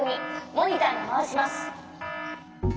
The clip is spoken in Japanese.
モニターにまわします。